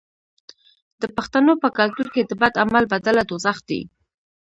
د پښتنو په کلتور کې د بد عمل بدله دوزخ دی.